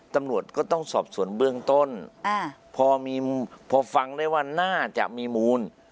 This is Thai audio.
ตำรวจก็ต้องสอบส่วนเบื้องต้นพอมีพอฟังได้ว่าน่าจะมีมูล